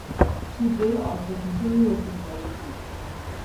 He did also continue with his studies.